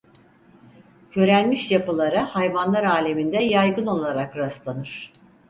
Körelmiş yapılara hayvanlar aleminde yaygın olarak rastlanır.